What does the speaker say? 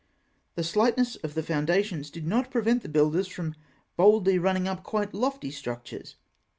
The slightness of the foundations did not prevent the builders from boldly running up quite lofty structures.